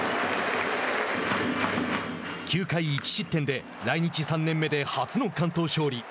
９回１失点で来日３年目で初の完投勝利。